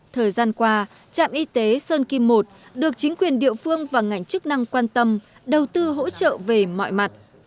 thời gian qua trạm y tế sơn kim i được chính quyền địa phương và ngành chức năng quan tâm đầu tư hỗ trợ về mọi mặt